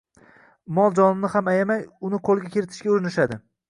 mol-jonini ham ayamay, uni qo’lga kiritishga urinishadi.